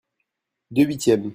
Deux huitièmes.